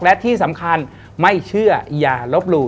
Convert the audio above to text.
และที่สำคัญไม่เชื่ออย่าลบหลู่